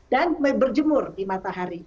dan berjemur di matahari